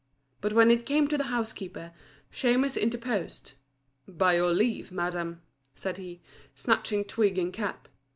But when it came to the housekeeper, Shemus interposed. "By your leave, ma'am," said he, snatching twig and cap.